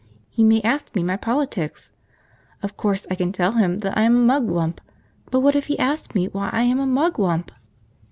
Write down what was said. He may ask me my politics. Of course I can tell him that I am a Mugwump, but what if he asks me why I am a Mugwump?"